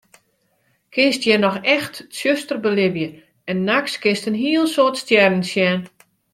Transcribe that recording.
Kinst hjir noch echt tsjuster belibje en nachts kinst in hiel soad stjerren sjen.